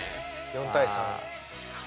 ４対３。